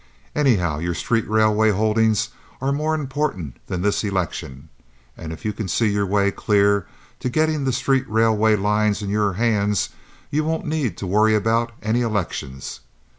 Anyhow, your street railway holdings are more important than this election, and if you can see your way clear to getting the street railway lines in your hands you won't need to worry about any elections.